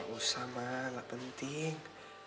gak usah ma lah penting